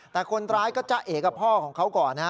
แต่คนร้ายก็จะเอกกับพ่อของเขาก่อนนะฮะ